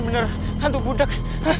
beneran hantu budak